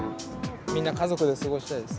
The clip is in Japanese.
みんな家族で過ごしたいです。